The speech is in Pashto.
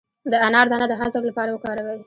د انار دانه د هضم لپاره وکاروئ